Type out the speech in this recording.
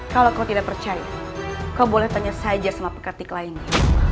kalau kau tidak percaya kau boleh tanya saja sama pekattik lainnya